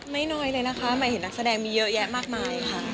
น้อยเลยนะคะหมายเห็นนักแสดงมีเยอะแยะมากมายค่ะ